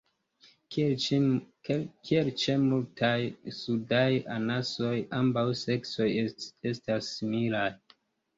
Kiel ĉe multaj sudaj anasoj, ambaŭ seksoj estas similaj.